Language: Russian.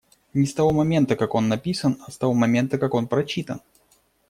Не с того момента как он написан, а с того момента, как он прочитан.